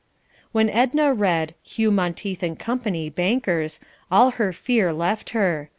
When Edna read "Hugh Monteith & Co., Bankers," all her fear left her.